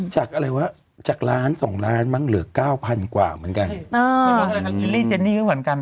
จากอะไรวะจากล้าน๒ล้านมันเหลือ๙๐๐๐กว่าเหมือนกัน